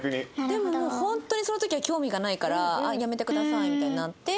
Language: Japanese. でももう本当にその時は興味がないからあっやめてくださいみたいになって。